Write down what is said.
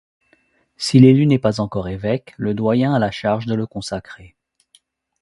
Si l'élu n'est pas encore évêque, le doyen a la charge de le consacrer.